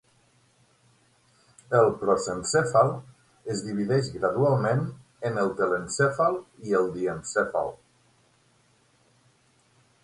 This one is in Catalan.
El prosencèfal es divideix gradualment en el telencèfal i el diencèfal.